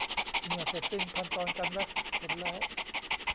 เมื่อเสร็จสิ้นขั้นตอนการแว็กซ์ขนแล้ว